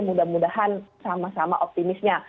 mudah mudahan sama sama optimisnya